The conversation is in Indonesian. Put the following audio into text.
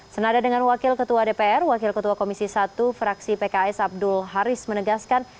senada dengan wakil ketua dpr wakil ketua komisi satu fraksi pks abdul haris menegaskan